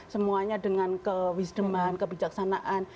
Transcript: semuanya dengan kebijaksanaan kewisdoman